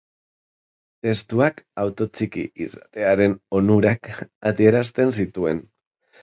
Testuak auto txiki izatearen onurak adierazten zituen.